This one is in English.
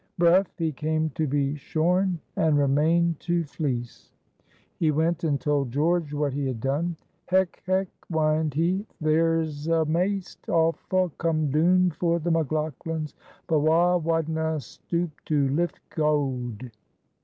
Bref, he came to be shorn, and remained to fleece. He went and told George what he had done. "Hech! hech!" whined he, "thir's a maist awfu' come doon for the McLaughlans but wha wadna' stuip to lift gowd?"